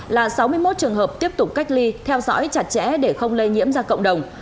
là sáu mươi một trường hợp tiếp tục cách ly theo dõi chặt chẽ để không lây nhiễm ra cộng đồng